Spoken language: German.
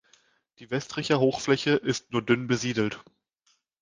Die Westricher Hochfläche ist nur dünn besiedelt.